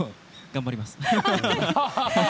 頑張ります。